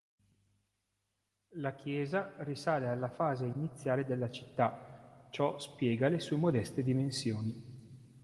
La chiesa risale alla fase iniziale della città, ciò spiega le sue modeste dimensioni.